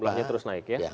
penumpangnya terus naik ya